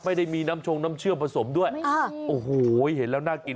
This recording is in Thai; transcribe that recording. ไม่ได้มีน้ำชงน้ำเชื่อมผสมด้วยโอ้โหเห็นแล้วน่ากิน